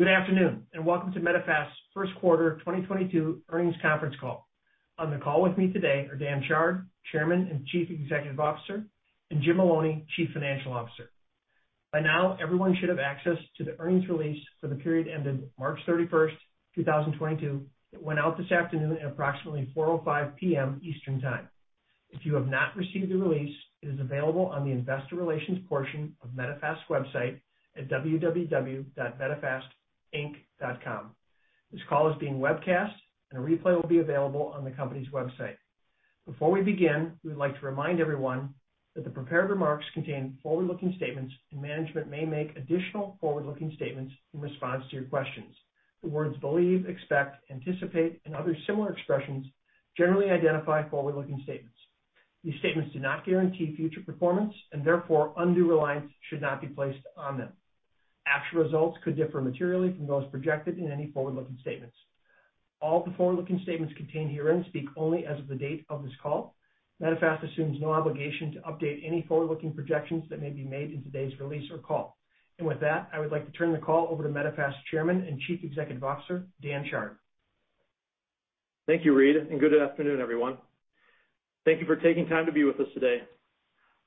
Good afternoon, and welcome to Medifast's Q1 2022 earnings conference call. On the call with me today are Dan Chard, Chairman and Chief Executive Officer, and Jim Maloney, Chief Financial Officer. By now, everyone should have access to the earnings release for the period ending March 31, 2022. It went out this afternoon at approximately 4:05 P.M. Eastern Time. If you have not received the release, it is available on the investor relations portion of Medifast's website at www.medifastinc.com. This call is being webcast, and a replay will be available on the company's website. Before we begin, we would like to remind everyone that the prepared remarks contain forward-looking statements, and management may make additional forward-looking statements in response to your questions. The words believe, expect, anticipate, and other similar expressions generally identify forward-looking statements. These statements do not guarantee future performance, and therefore undue reliance should not be placed on them. Actual results could differ materially from those projected in any forward-looking statements. All the forward-looking statements contained herein speak only as of the date of this call. Medifast assumes no obligation to update any forward-looking projections that may be made in today's release or call. With that, I would like to turn the call over to Medifast's Chairman and Chief Executive Officer, Dan Chard. Thank you, Reed, and good afternoon, everyone. Thank you for taking time to be with us today.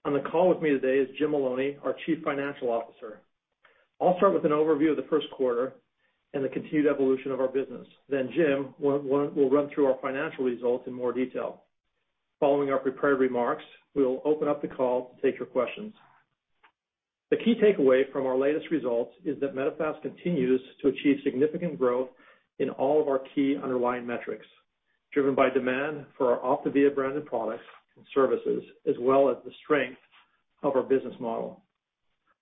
On the call with me today is Jim Maloney, our Chief Financial Officer. I'll start with an overview of the Q1 and the continued evolution of our business. Then Jim will run through our financial results in more detail. Following our prepared remarks, we will open up the call to take your questions. The key takeaway from our latest results is that Medifast continues to achieve significant growth in all of our key underlying metrics, driven by demand for our OPTAVIA-branded products and services, as well as the strength of our business model.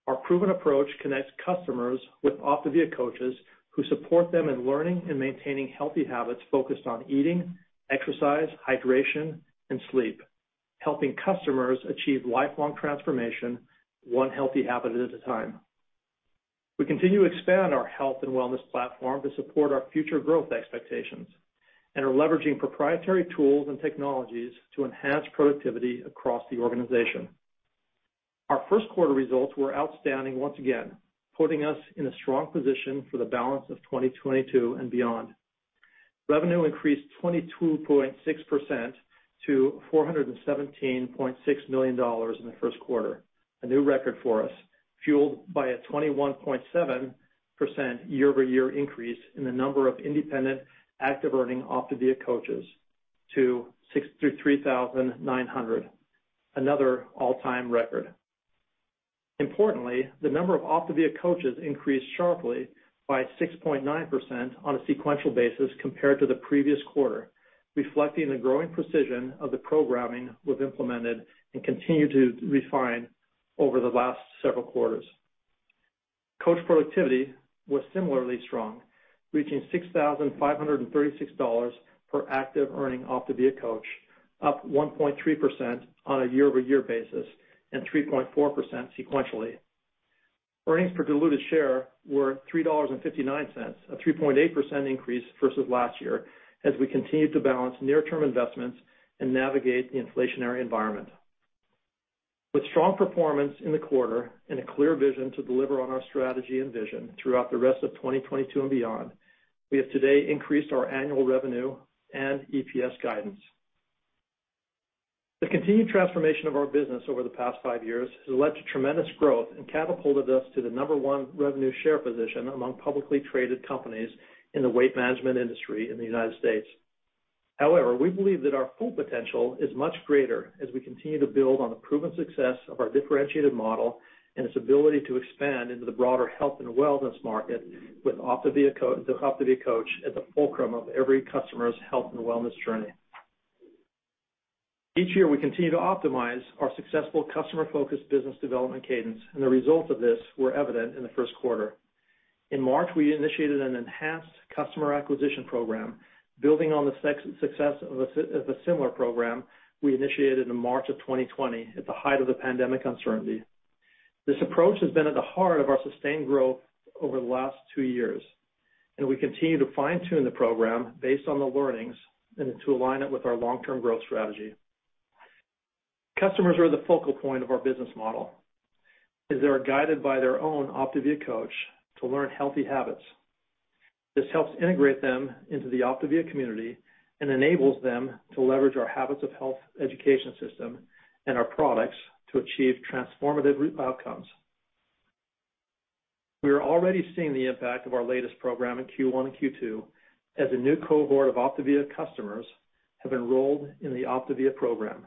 Our proven approach connects customers with OPTAVIA coaches who support them in learning and maintaining healthy habits focused on eating, exercise, hydration, and sleep, helping customers achieve lifelong transformation 1 healthy habit at a time. We continue to expand our health and wellness platform to support our future growth expectations and are leveraging proprietary tools and technologies to enhance productivity across the organization. Our Q1 results were outstanding once again, putting us in a strong position for the balance of 2022 and beyond. Revenue increased 22.6% to $417.6 million in the Q1, a new record for us, fueled by a 21.7% year-over-year increase in the number of independent, active earning OPTAVIA coaches to 63,900, another all-time record. Importantly, the number of OPTAVIA coaches increased sharply by 6.9% on a sequential basis compared to the previous quarter, reflecting the growing precision of the programming we've implemented and continue to refine over the last several quarters. Coach productivity was similarly strong, reaching $6,536 per active earning OPTAVIA Coach, up 1.3% on a year-over-year basis and 3.4% sequentially. Earnings per diluted share were $3.59, a 3.8% increase versus last year, as we continued to balance near-term investments and navigate the inflationary environment. With strong performance in the quarter and a clear vision to deliver on our strategy and vision throughout the rest of 2022 and beyond, we have today increased our annual revenue and EPS guidance. The continued transformation of our business over the past 5 years has led to tremendous growth and catapulted us to the number 1 revenue share position among publicly traded companies in the weight management industry in the United States. However, we believe that our full potential is much greater as we continue to build on the proven success of our differentiated model and its ability to expand into the broader health and wellness market with OPTAVIA coach at the fulcrum of every customer's health and wellness journey. Each year, we continue to optimize our successful customer-focused business development cadence, and the results of this were evident in the Q1. In March, we initiated an enhanced customer acquisition program, building on the success of a similar program we initiated in March of 2020 at the height of the pandemic uncertainty. This approach has been at the heart of our sustained growth over the last 2 years, and we continue to fine-tune the program based on the learnings and to align it with our long-term growth strategy. Customers are the focal point of our business model as they are guided by their own OPTAVIA coach to learn healthy habits. This helps integrate them into the OPTAVIA community and enables them to leverage our Habits of Health education system and our products to achieve transformative outcomes. We are already seeing the impact of our latest program in Q1 and Q2 as a new cohort of OPTAVIA customers have enrolled in the OPTAVIA program.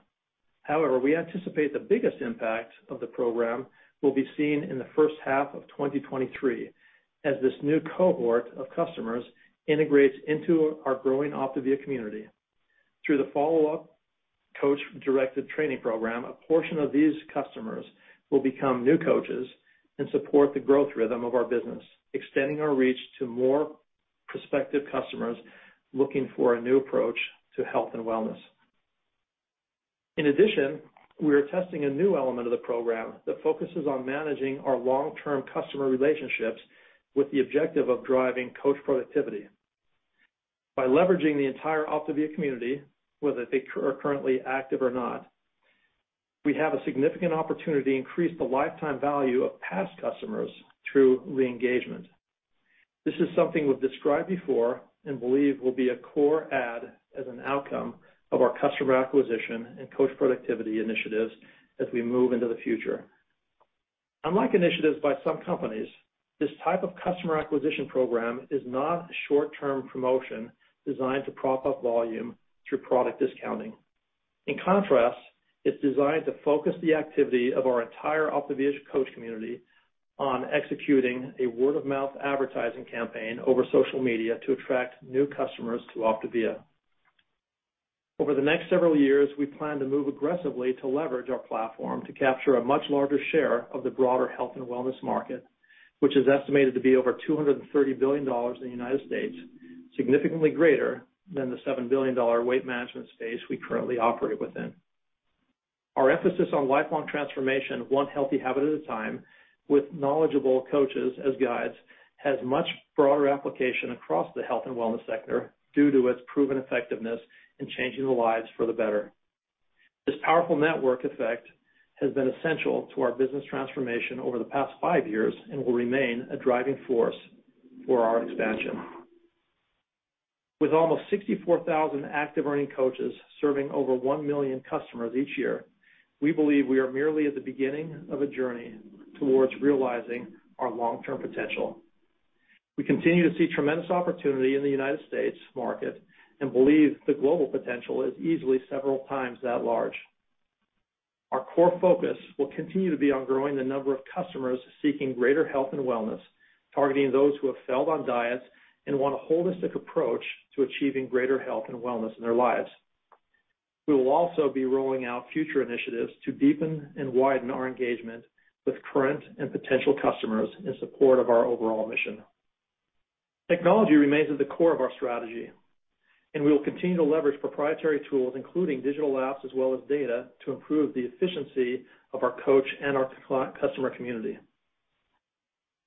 However, we anticipate the biggest impact of the program will be seen in the H1 of 2023 as this new cohort of customers integrates into our growing OPTAVIA community. Through the follow-up coach-directed training program, a portion of these customers will become new coaches and support the growth rhythm of our business, extending our reach to more prospective customers looking for a new approach to health and wellness. In addition, we are testing a new element of the program that focuses on managing our long-term customer relationships with the objective of driving coach productivity. By leveraging the entire OPTAVIA community, whether they are currently active or not, we have a significant opportunity to increase the lifetime value of past customers through re-engagement. This is something we've described before and believe will be a core add as an outcome of our customer acquisition and coach productivity initiatives as we move into the future. Unlike initiatives by some companies, this type of customer acquisition program is not a short-term promotion designed to prop up volume through product discounting. In contrast, it's designed to focus the activity of our entire OPTAVIA coach community on executing a word-of-mouth advertising campaign over social media to attract new customers to OPTAVIA. Over the next several years, we plan to move aggressively to leverage our platform to capture a much larger share of the broader health and wellness market, which is estimated to be over $230 billion in the United States, significantly greater than the $7 billion weight management space we currently operate within. Our emphasis on lifelong transformation, 1 healthy habit at a time, with knowledgeable coaches as guides, has much broader application across the health and wellness sector due to its proven effectiveness in changing the lives for the better. This powerful network effect has been essential to our business transformation over the past 5 years and will remain a driving force for our expansion. With almost 64,000 active earning coaches serving over 1 million customers each year, we believe we are merely at the beginning of a journey towards realizing our long-term potential. We continue to see tremendous opportunity in the United States market and believe the global potential is easily several times that large. Our core focus will continue to be on growing the number of customers seeking greater health and wellness, targeting those who have failed on diets and want a holistic approach to achieving greater health and wellness in their lives. We will also be rolling out future initiatives to deepen and widen our engagement with current and potential customers in support of our overall mission. Technology remains at the core of our strategy, and we will continue to leverage proprietary tools, including digital apps as well as data, to improve the efficiency of our coach and our customer community.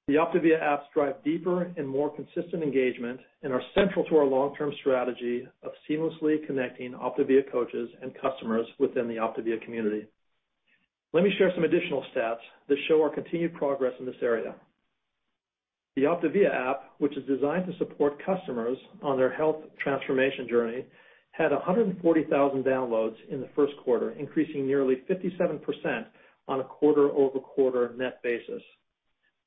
The OPTAVIA apps drive deeper and more consistent engagement and are central to our long-term strategy of seamlessly connecting OPTAVIA coaches and customers within the OPTAVIA community. Let me share some additional stats that show our continued progress in this area. The OPTAVIA app, which is designed to support customers on their health transformation journey, had 140,000 downloads in the Q1, increasing nearly 57% on a quarter-over-quarter net basis.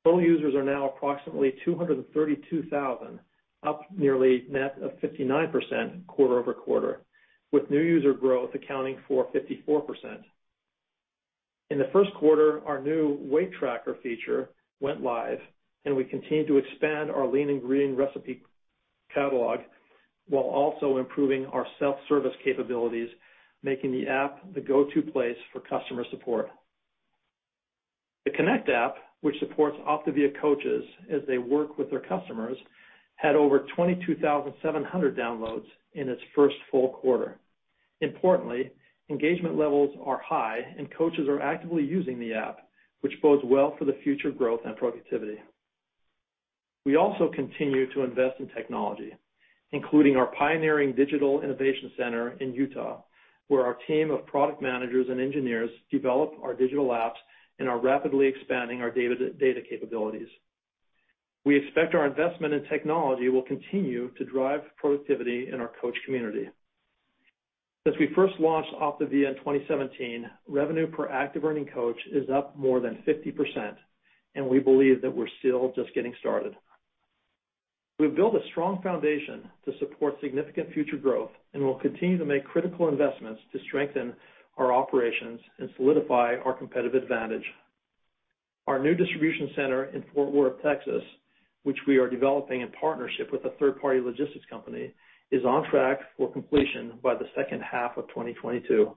Total users are now approximately 232,000, up nearly net of 59% quarter-over-quarter, with new user growth accounting for 54%. In the Q1, our new Weight Tracker feature went live, and we continued to expand our Lean & Green recipe catalog while also improving our self-service capabilities, making the app the go-to place for customer support. The Connect app, which supports OPTAVIA coaches as they work with their customers, had over 22,700 downloads in its first full quarter. Importantly, engagement levels are high, and coaches are actively using the app, which bodes well for the future growth and productivity. We also continue to invest in technology, including our pioneering digital innovation center in Utah, where our team of product managers and engineers develop our digital apps and are rapidly expanding our data capabilities. We expect our investment in technology will continue to drive productivity in our coach community. Since we first launched OPTAVIA in 2017, revenue per active earning coach is up more than 50%, and we believe that we're still just getting started. We've built a strong foundation to support significant future growth, and we'll continue to make critical investments to strengthen our operations and solidify our competitive advantage. Our new distribution center in Fort Worth, Texas, which we are developing in partnership with a third-party logistics company, is on track for completion by the H2 of 2022.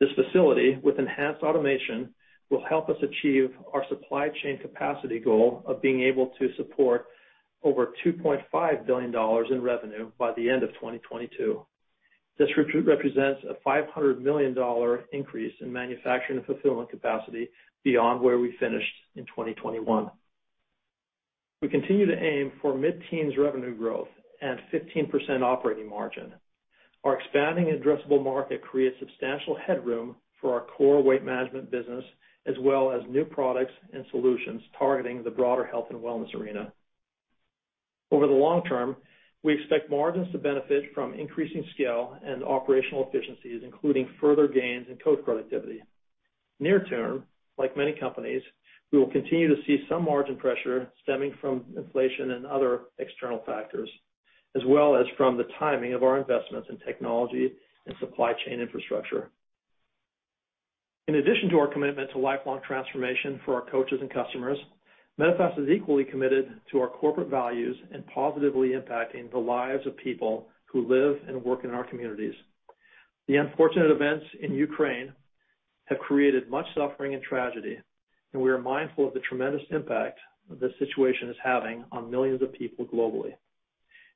This facility, with enhanced automation, will help us achieve our supply chain capacity goal of being able to support over $2.5 billion in revenue by the end of 2022. This represents a $500 million increase in manufacturing and fulfillment capacity beyond where we finished in 2021. We continue to aim for mid-teens revenue growth and 15% operating margin. Our expanding addressable market creates substantial headroom for our core weight management business as well as new products and solutions targeting the broader health and wellness arena. Over the long term, we expect margins to benefit from increasing scale and operational efficiencies, including further gains in coach productivity. Near term, like many companies, we will continue to see some margin pressure stemming from inflation and other external factors, as well as from the timing of our investments in technology and supply chain infrastructure. In addition to our commitment to lifelong transformation for our coaches and customers, Medifast is equally committed to our corporate values and positively impacting the lives of people who live and work in our communities. The unfortunate events in Ukraine have created much suffering and tragedy, and we are mindful of the tremendous impact this situation is having on millions of people globally.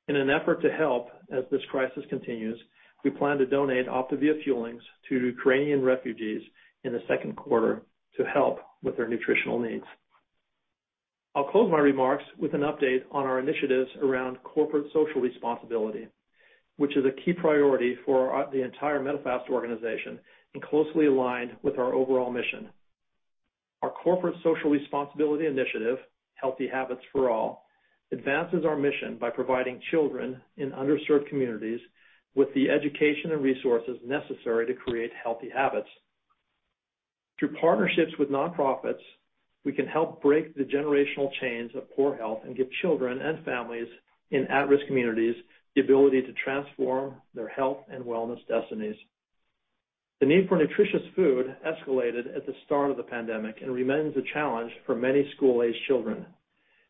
In an effort to help as this crisis continues, we plan to donate OPTAVIA Fuelings to Ukrainian refugees in the Q2 to help with their nutritional needs. I'll close my remarks with an update on our initiatives around corporate social responsibility, which is a key priority for the entire Medifast organization and closely aligned with our overall mission. Our corporate social responsibility initiative, Healthy Habits For All, advances our mission by providing children in underserved communities with the education and resources necessary to create healthy habits. Through partnerships with non-profits, we can help break the generational chains of poor health and give children and families in at-risk communities the ability to transform their health and wellness destinies. The need for nutritious food escalated at the start of the pandemic and remains a challenge for many school-aged children.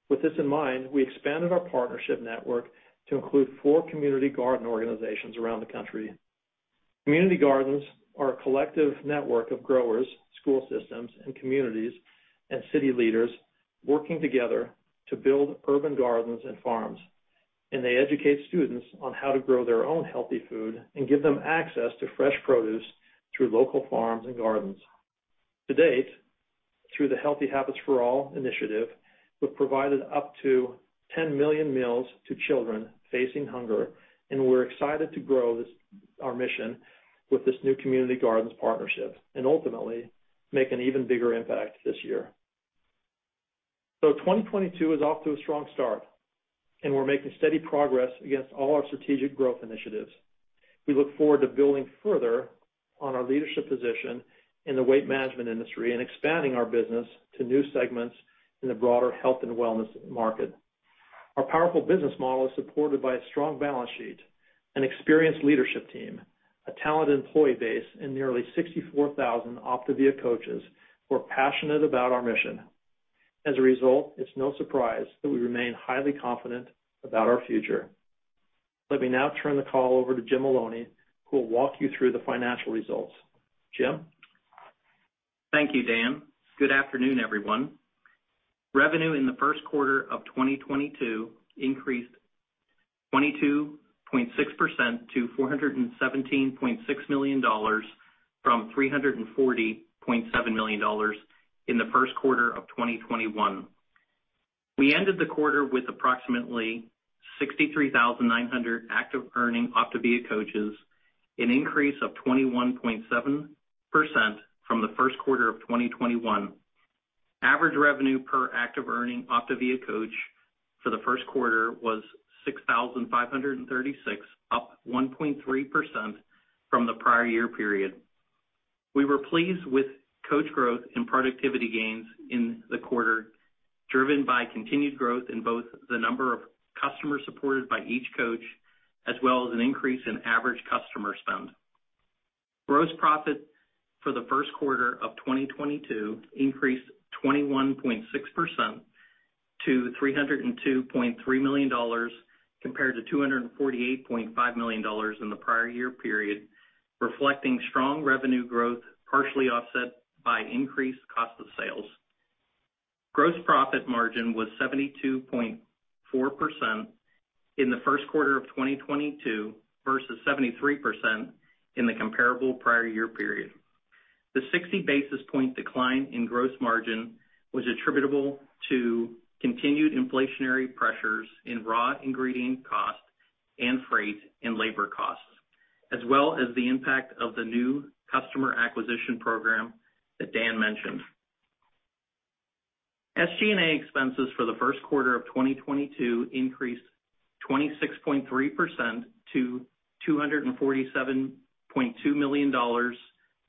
With this in mind, we expanded our partnership network to include 4 community garden organizations around the country. Community gardens are a collective network of growers, school systems, and communities and city leaders working together to build urban gardens and farms, and they educate students on how to grow their own healthy food and give them access to fresh produce through local farms and gardens. To date, through the Healthy Habits For All initiative, we've provided up to 10 million meals to children facing hunger, and we're excited to grow this, our mission with this new community gardens partnership and ultimately make an even bigger impact this year. 2022 is off to a strong start, and we're making steady progress against all our strategic growth initiatives. We look forward to building further on our leadership position in the weight management industry and expanding our business to new segments in the broader health and wellness market. Our powerful business model is supported by a strong balance sheet, an experienced leadership team, a talented employee base, and nearly 64,000 OPTAVIA coaches who are passionate about our mission. As a result, it's no surprise that we remain highly confident about our future. Let me now turn the call over to Jim Maloney, who will walk you through the financial results. Jim? Thank you, Dan. Good afternoon, everyone. Revenue in the Q1 of 2022 increased 22.6% to $417.6 million from $340.7 million in the Q1 of 2021. We ended the quarter with approximately 63,900 active earning OPTAVIA coaches, an increase of 21.7% from the Q1 of 2021. Average revenue per active earning OPTAVIA coach for the Q1 was 6,536, up 1.3% from the prior year period. We were pleased with coach growth and productivity gains in the quarter, driven by continued growth in both the number of customers supported by each coach as well as an increase in average customer spend. Gross profit for the Q1 of 2022 increased 21.6% to $302.3 million compared to $248.5 million in the prior year period, reflecting strong revenue growth, partially offset by increased cost of sales. Gross profit margin was 72.4% in the Q1 of 2022 versus 73% in the comparable prior year period. The 60 basis point decline in gross margin was attributable to continued inflationary pressures in raw ingredient cost and freight and labour costs, as well as the impact of the new customer acquisition program that Dan mentioned. SG&A expenses for the Q1 of 2022 increased 26.3% to $247.2 million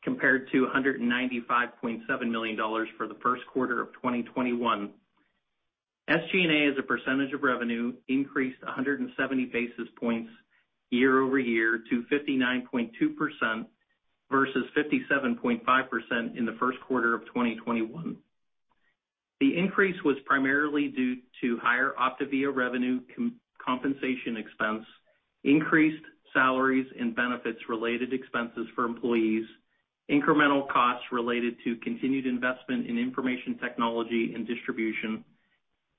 compared to $195.7 million for the Q1 of 2021. SG&A, as a percentage of revenue, increased 170 basis points year-over-year to 59.2% versus 57.5% in the Q1 of 2021. The increase was primarily due to higher OPTAVIA revenue compensation expense, increased salaries and benefits related expenses for employees, incremental costs related to continued investment in information technology and distribution, and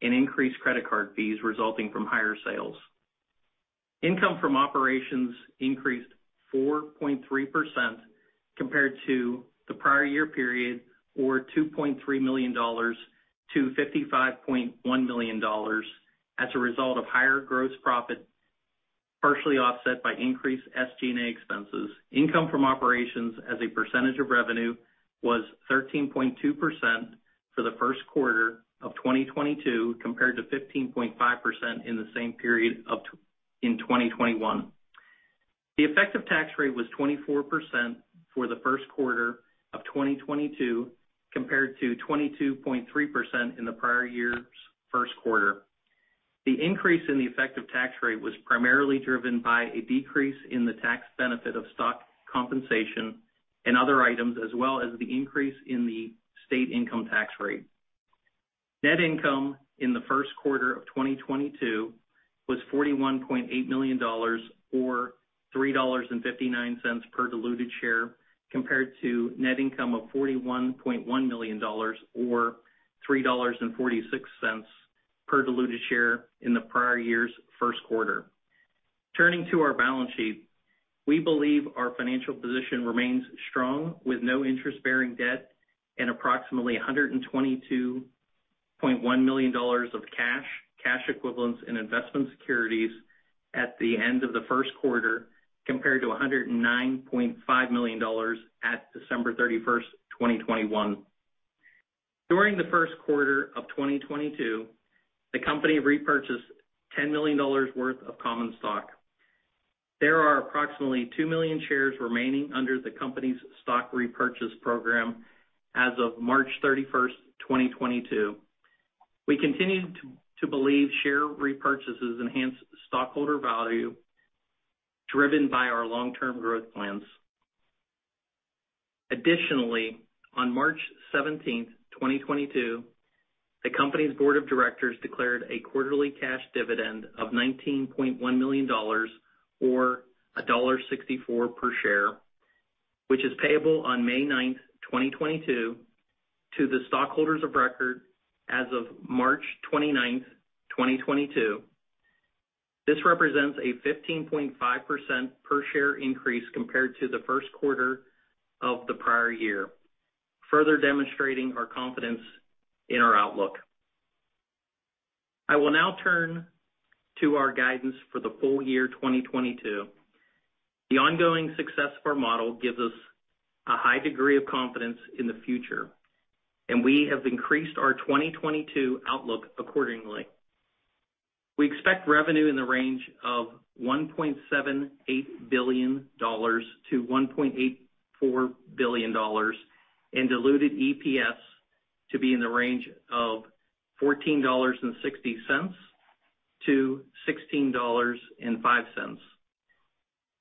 increased credit card fees resulting from higher sales. Income from operations increased 4.3% compared to the prior year period, or $2.3 million to $55.1 million as a result of higher gross profit, partially offset by increased SG&A expenses. Income from operations as a percentage of revenue was 13.2% for the Q1 of 2022 compared to 15.5% in the same period in 2021. The effective tax rate was 24% for the Q1 of 2022 compared to 22.3% in the prior year's Q1. The increase in the effective tax rate was primarily driven by a decrease in the tax benefit of stock compensation and other items as well as the increase in the state income tax rate. Net income in the Q1 of 2022 was $41.8 million or $3.59 per diluted share compared to net income of $41.1 million or $3.46 per diluted share in the prior year's Q1. Turning to our balance sheet, we believe our financial position remains strong, with no interest-bearing debt and approximately $122.1 million of cash equivalents and investment securities at the end of the Q1, compared to $109.5 million at December 31, 2021. During the Q1 of 2022, the company repurchased $10 million worth of common stock. There are approximately 2 million shares remaining under the company's stock repurchase program as of March 31, 2022. We continue to believe share repurchases enhance stockholder value driven by our long-term growth plans. Additionally, on March 17, 2022, the company's board of directors declared a quarterly cash dividend of $19.1 million or $1.64 per share, which is payable on May 9, 2022 to the stockholders of record as of March 29, 2022. This represents a 15.5% per share increase compared to the Q1 of the prior year, further demonstrating our confidence in our outlook. I will now turn to our guidance for the full year 2022. The ongoing success of our model gives us a high degree of confidence in the future, and we have increased our 2022 outlook accordingly. We expect revenue in the range of $1.78 billion-$1.84 billion and diluted EPS to be in the range of $14.60-$16.05.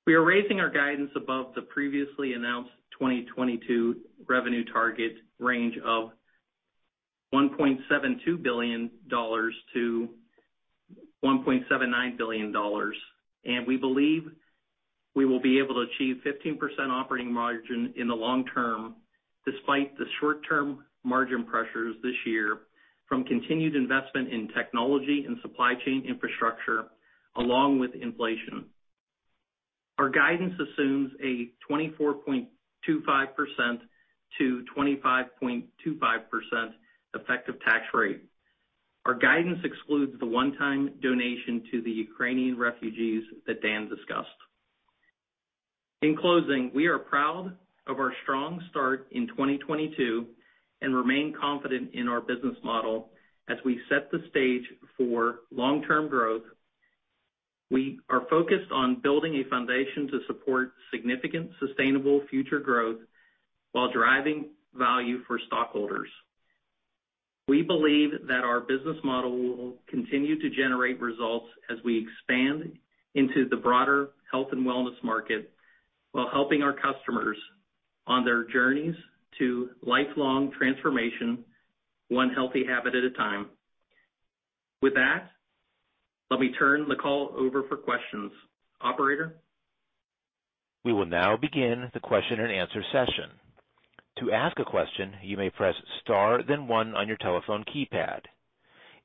We are raising our guidance above the previously announced 2022 revenue target range of $1.72 billion-$1.79 billion, and we believe we will be able to achieve 15% operating margin in the long term despite the short-term margin pressures this year from continued investment in technology and supply chain infrastructure along with inflation. Our guidance assumes a 24.25%-25.25% effective tax rate. Our guidance excludes the 1-time donation to the Ukrainian refugees that Dan discussed. In closing, we are proud of our strong start in 2022 and remain confident in our business model as we set the stage for long-term growth. We are focused on building a foundation to support significant, sustainable future growth while driving value for stockholders. We believe that our business model will continue to generate results as we expand into the broader health and wellness market while helping our customers on their journeys to lifelong transformation, 1 healthy habit at a time. With that, let me turn the call over for questions. Operator? We will now begin the Q&A session. To ask a question, you may press star then 1 on your telephone keypad.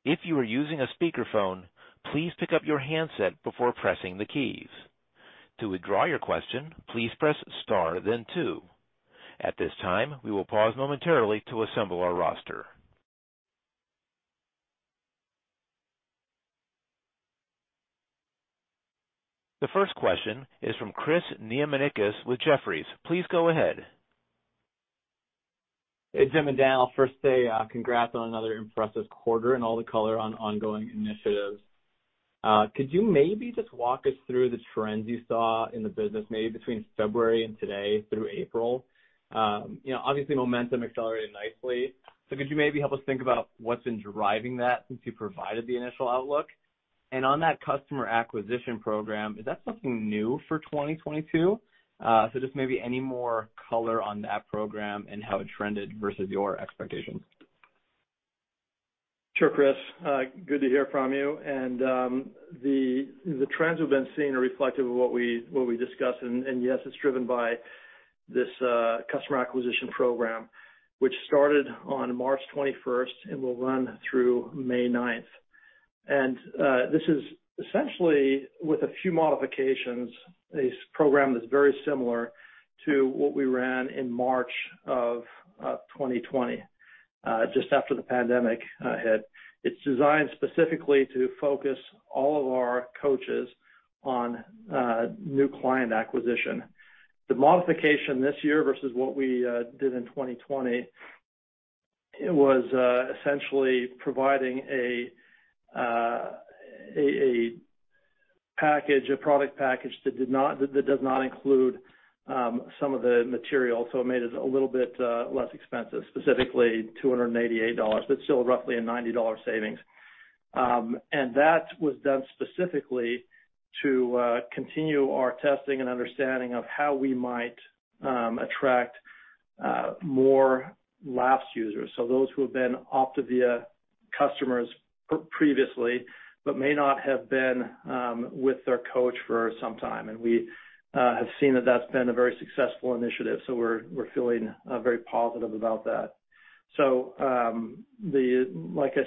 If you are using a speakerphone, please pick up your handset before pressing the keys. To withdraw your question, please press star then 2. At this time, we will pause momentarily to assemble our roster. The first question is from Chris Growe with Stifel. Please go ahead. Hey, Jim and Dan. I'll first say, congrats on another impressive quarter and all the colour on ongoing initiatives. Could you maybe just walk us through the trends you saw in the business, maybe between February and today through April? You know, obviously, momentum accelerated nicely. Could you maybe help us think about what's been driving that since you provided the initial outlook? On that customer acquisition program, is that something new for 2022? Just maybe any more colour on that program and how it trended versus your expectations. Sure, Chris. Good to hear from you. The trends we've been seeing are reflective of what we discussed. Yes, it's driven by this customer acquisition program, which started on March 21st and will run through May 9th. This is essentially, with a few modifications, a program that's very similar to what we ran in March of 2020, just after the pandemic hit. It's designed specifically to focus all of our coaches on new client acquisition. The modification this year versus what we did in 2020, it was essentially providing a product package that does not include some of the material. It made it a little bit less expensive, specifically $288, but still roughly a $90 savings. That was done specifically to continue our testing and understanding of how we might attract more lapsed users, so those who have been OPTAVIA customers previously but may not have been with their coach for some time. We have seen that that's been a very successful initiative, so we're feeling very positive about that. Like I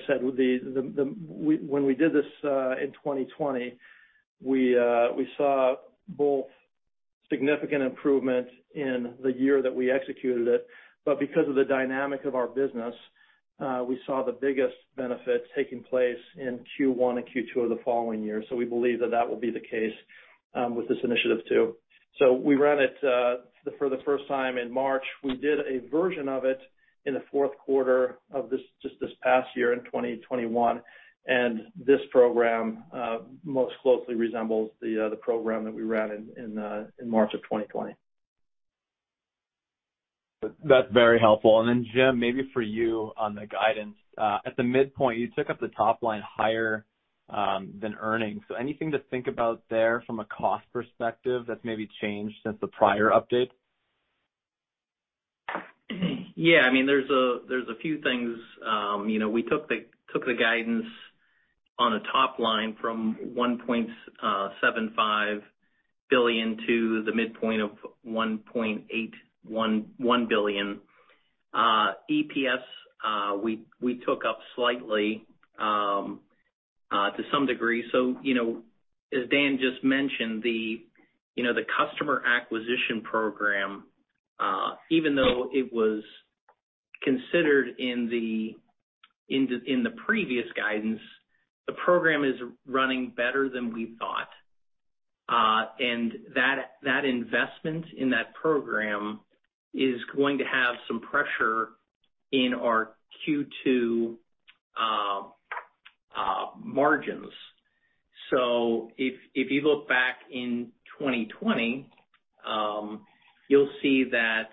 said, when we did this in 2020, we saw both significant improvement in the year that we executed it. Because of the dynamic of our business, we saw the biggest benefit taking place in Q1 and Q2 of the following year. We believe that will be the case with this initiative too. We ran it for the first time in March. We did a version of it in the Q4 of just this past year in 2021, and this program most closely resembles the program that we ran in March of 2020. That's very helpful. Jim, maybe for you on the guidance. At the midpoint, you took up the top line higher than earnings. Anything to think about there from a cost perspective that's maybe changed since the prior update? Yeah. I mean, there's a few things. You know, we took the guidance on a top line from $1.75 billion to the midpoint of $1.81 billion. EPS, we took up slightly, to some degree. You know, as Dan just mentioned, the customer acquisition program, even though it was considered in the previous guidance, the program is running better than we thought. And that investment in that program is going to have some pressure in our Q2 margins. If you look back in 2020, you'll see that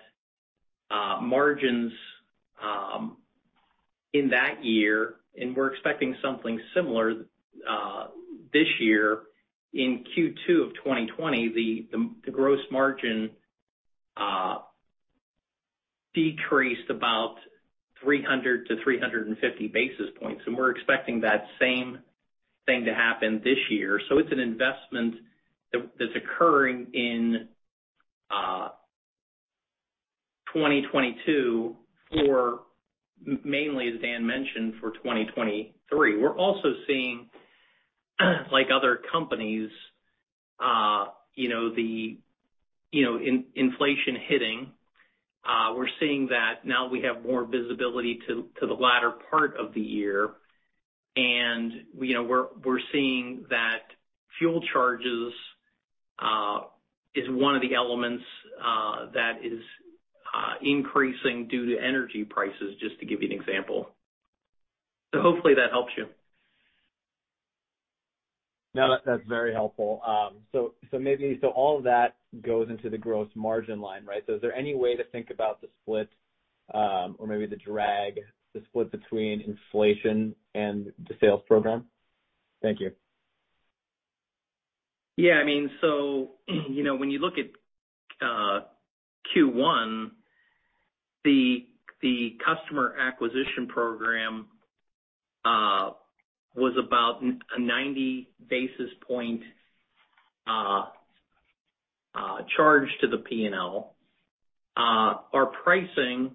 margins in that year, and we're expecting something similar this year, in Q2 of 2020, the gross margin decreased about 300 to 350 basis points, and we're expecting that same thing to happen this year. It's an investment that's occurring in 2022 for mainly, as Dan mentioned, for 2023. We're also seeing, like other companies, inflation hitting. We're seeing that now we have more visibility to the latter part of the year. You know, we're seeing that fuel charges is 1 of the elements that is increasing due to energy prices, just to give you an example. Hopefully that helps you. No, that's very helpful. All of that goes into the gross margin line, right? Is there any way to think about the split, or maybe the drag, the split between inflation and the sales program? Thank you. Yeah, I mean, so, you know, when you look at Q1, the customer acquisition program was about 90 basis points charge to the P&L. Our pricing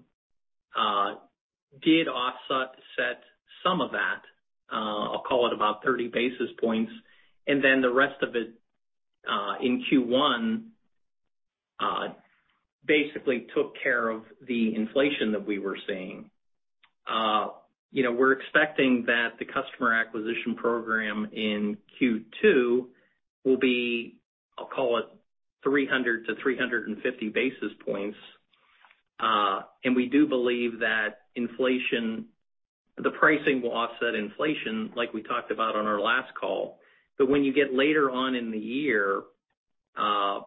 did offset some of that, I'll call it about 30 basis points. The rest of it in Q1 basically took care of the inflation that we were seeing. You know, we're expecting that the customer acquisition program in Q2 will be, I'll call it 300-350 basis points. We do believe that inflation, the pricing will offset inflation like we talked about on our last call. When you get later on in the year, now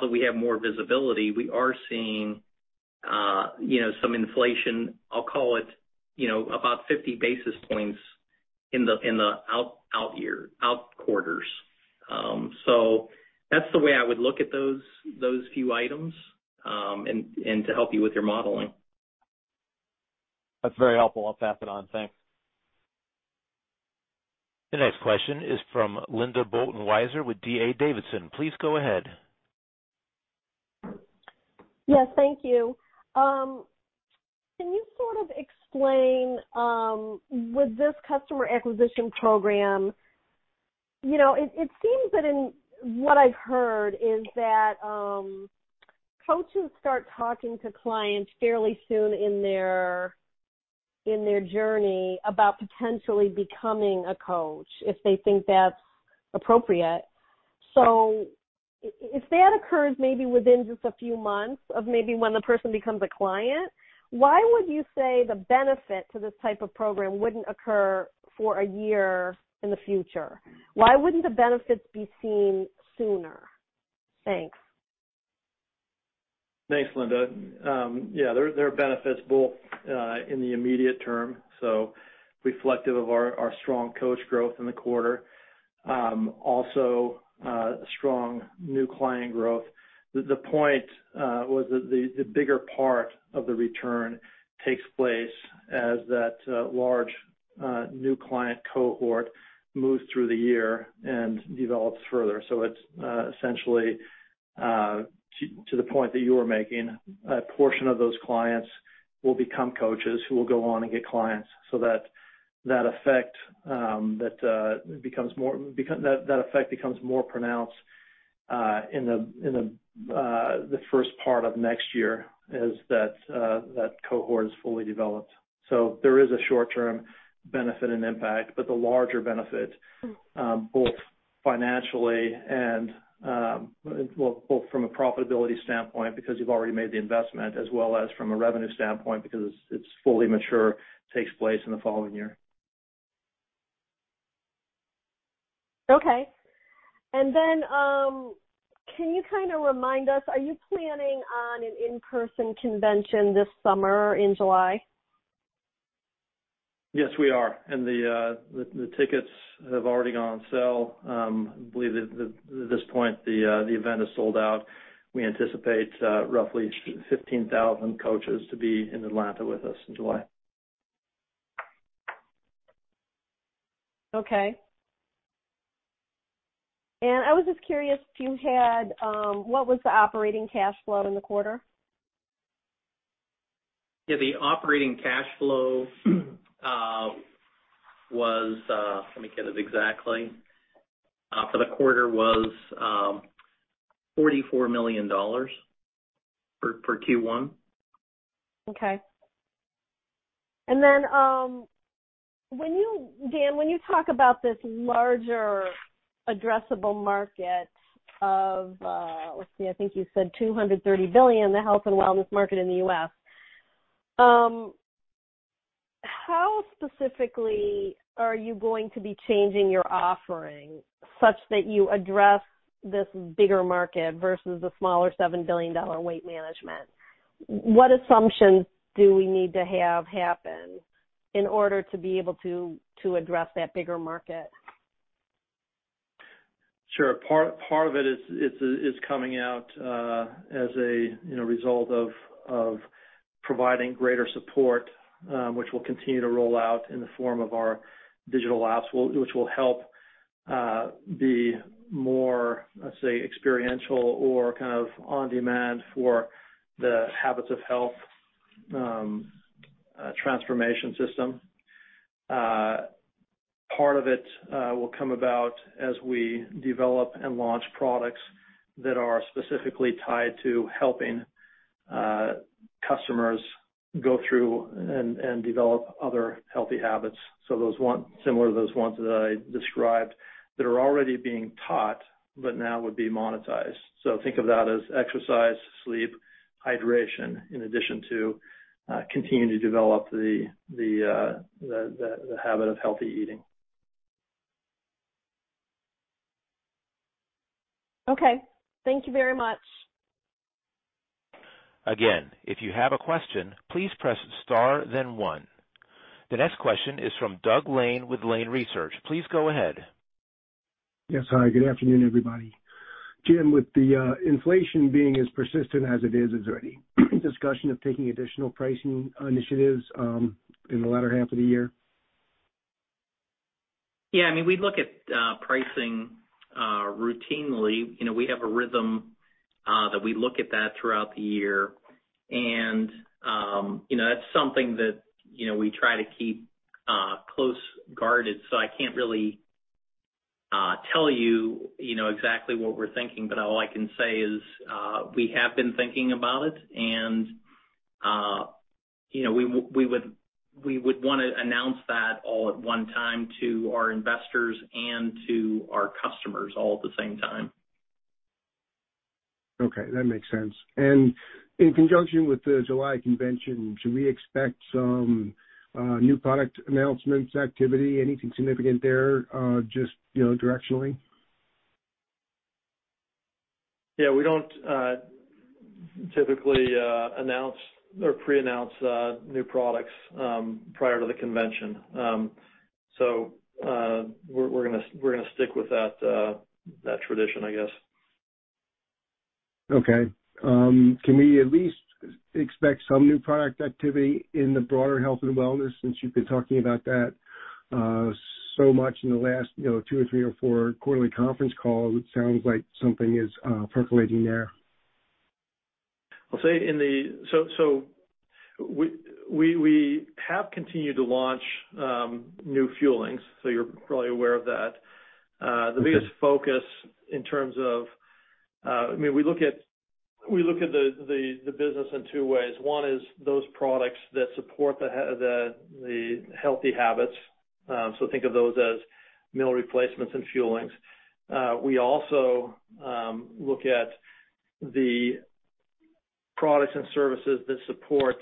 that we have more visibility, we are seeing, you know, some inflation, I'll call it, you know, about 50 basis points in the out quarters. That's the way I would look at those few items, and to help you with your modelling. That's very helpful. I'll pass it on. Thanks. The next question is from Linda Bolton Weiser with D.A. Davidson. Please go ahead. Yes, thank you. Can you sort of explain with this customer acquisition program, you know, it seems that in what I've heard is that coaches start talking to clients fairly soon in their journey about potentially becoming a coach if they think that's appropriate. If that occurs maybe within just a few months of maybe when the person becomes a client, why would you say the benefit to this type of program wouldn't occur for a year in the future? Why wouldn't the benefits be seen sooner? Thanks. Thanks, Linda. Yeah, there are benefits both in the immediate term, so reflective of our strong coach growth in the quarter. Also, strong new client growth. The point was that the bigger part of the return takes place as that large new client cohort moves through the year and develops further. It's essentially to the point that you are making, a portion of those clients will become coaches who will go on and get clients so that that effect becomes more pronounced in the first part of next year as that cohort is fully developed. There is a short-term benefit and impact, but the larger benefit, both financially and, well, both from a profitability standpoint because you've already made the investment as well as from a revenue standpoint because it's fully mature, takes place in the following year. Okay. Can you kind of remind us, are you planning on an in-person convention this summer in July? Yes, we are. The tickets have already gone on sale. I believe at this point, the event is sold out. We anticipate roughly 15,000 coaches to be in Atlanta with us in July. Okay. I was just curious if you had what was the operating cash flow in the quarter? Yeah. The operating cash flow was, let me get it exactly, for the quarter was $44 million for Q1. Okay. Dan, when you talk about this larger addressable market of, let's see, I think you said $230 billion, the health and wellness market in the U.S. How specifically are you going to be changing your offering such that you address this bigger market versus the smaller $7 billion weight management? What assumptions do we need to have happen in order to be able to address that bigger market? Sure. Part of it is coming out as a you know result of providing greater support, which we'll continue to roll out in the form of our digital apps, which will help be more, let's say, experiential or kind of on demand for the Habits of Health transformation system. Part of it will come about as we develop and launch products that are specifically tied to helping customers go through and develop other healthy habits. Those ones similar to those ones that I described that are already being taught but now would be monetized. Think of that as exercise, sleep, hydration, in addition to continuing to develop the habit of healthy eating. Okay. Thank you very much. Again, if you have a question, please press star then 1. The next question is from Doug Lane with Lane Research. Please go ahead. Yes. Hi, good afternoon, everybody. Jim, with the inflation being as persistent as it is there any discussion of taking additional pricing initiatives in the latter half of the year? Yeah. I mean, we look at pricing routinely. You know, we have a rhythm that we look at that throughout the year. You know, that's something that, you know, we try to keep closely guarded. So I can't really tell you know, exactly what we're thinking, but all I can say is, we have been thinking about it and, you know, we would want to announce that all at 1 time to our investors and to our customers all at the same time. Okay, that makes sense. In conjunction with the July convention, should we expect some new product announcements activity, anything significant there, just, you know, directionally? Yeah. We don't typically announce or pre-announce new products prior to the convention. We're going to stick with that tradition, I guess. Okay. Can we at least expect some new product activity in the broader health and wellness since you've been talking about that, so much in the last, you know, 2 or 3 or 4 quarterly conference calls? It sounds like something is percolating there. We have continued to launch new Fuelings, so you're probably aware of that. Yes The biggest focus in terms of, I mean, we look at the business in 2 ways. 1 is those products that support the healthy habits. Think of those as meal replacements and fuelings. We also look at the products and services that support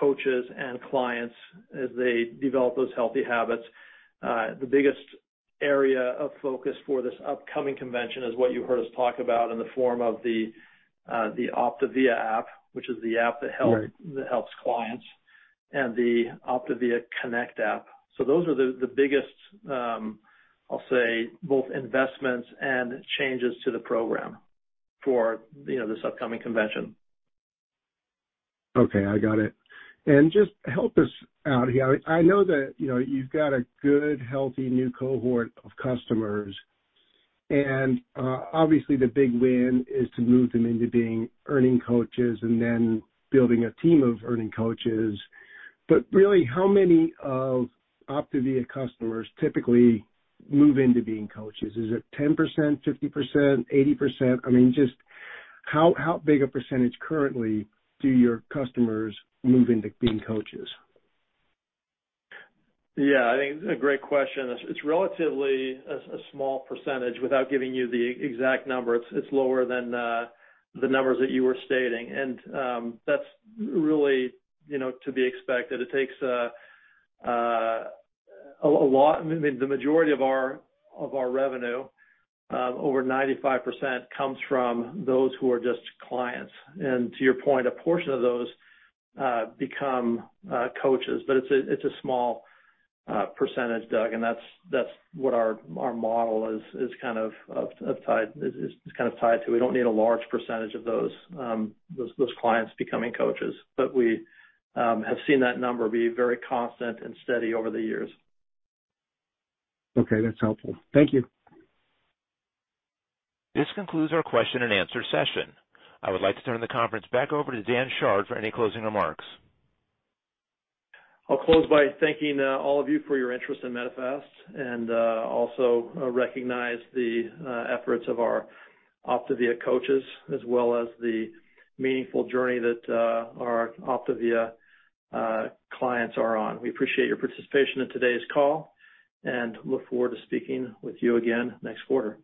coaches and clients as they develop those healthy habits. The biggest area of focus for this upcoming convention is what you heard us talk about in the form of the OPTAVIA app, which is the app that help- Right that helps clients, and the OPTAVIA Connect app. Those are the biggest, I'll say, both investments and changes to the program for, you know, this upcoming convention. Okay, I got it. Just help us out here. I know that, you know, you've got a good, healthy new cohort of customers, and obviously the big win is to move them into being earning coaches and then building a team of earning coaches. Really, how many of OPTAVIA customers typically move into being coaches? Is it 10%, 50%, 80%? I mean, just how big a percentage currently do your customers move into being coaches? Yeah. I think it's a great question. It's relatively a small percentage without giving you the exact number. It's lower than the numbers that you were stating. That's really, you know, to be expected. I mean, the majority of our revenue over 95% comes from those who are just clients. To your point, a portion of those become coaches, but it's a small percentage, Doug. That's what our model is kind of tied to. We don't need a large percentage of those clients becoming coaches. We have seen that number be very constant and steady over the years. Okay. That's helpful. Thank you. This concludes our question and answer session. I would like to turn the conference back over to Dan Chard for any closing remarks. I'll close by thanking all of you for your interest in Medifast, and also recognize the efforts of our OPTAVIA coaches, as well as the meaningful journey that our OPTAVIA clients are on. We appreciate your participation in today's call, and look forward to speaking with you again next quarter.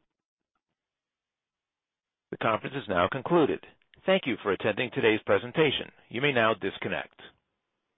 The conference is now concluded. Thank you for attending today's presentation. You may now disconnect.